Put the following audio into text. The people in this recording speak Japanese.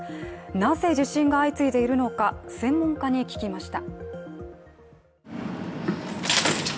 なぜ地震が相次いでいるのか、専門家に聞きました。